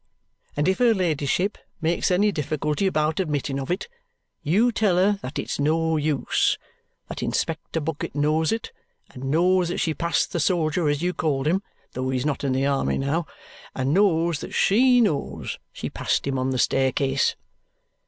And if her ladyship makes any difficulty about admitting of it, you tell her that it's no use, that Inspector Bucket knows it and knows that she passed the soldier as you called him (though he's not in the army now) and knows that she knows she passed him on the staircase.